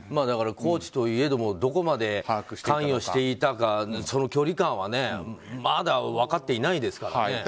だからコーチといえどもどこまで関与していたかその距離感はまだ分かっていないですからね。